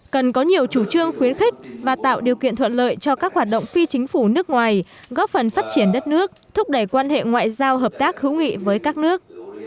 cần có nhiều chủ trương khuyến khích và tạo điều kiện thuận lợi cho các hoạt động phi chính phủ nước ngoài góp phần phát triển đất nước thúc đẩy quan hệ ngoại giao hợp tác hữu nghị với các nước